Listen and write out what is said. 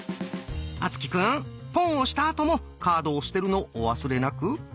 敦貴くん「ポン」をしたあともカードを捨てるのお忘れなく！